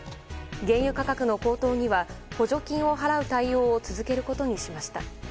原油価格の高騰には補助金を払う対応を続けることにしました。